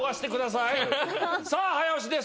さあ早押しです。